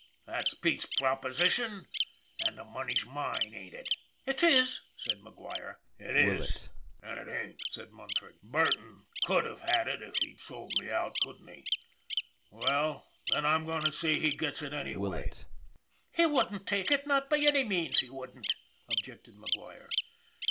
That's Pete's proposition, and the money's mine, ain't it ?"" It is," said McGuire. " It is, and it ain't," said Munford. " Burton could have had it if he'd sold me out, couldn't he? Well, then, I'm goin' to see he gets it anyway." " He wouldn't take it, not by any means, he wouldn't," objected McGuire.